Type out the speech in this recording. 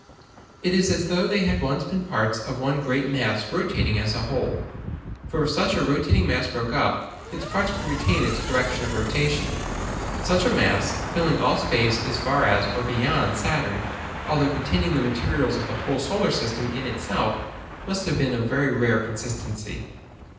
It is as though they had once been parts of one great mass rotating as a whole; for if such a rotating mass broke up, its parts would retain its direction of rotation. But such a mass, filling all space as far as or beyond Saturn, although containing the materials of the whole solar system in itself, must have been of very rare consistency.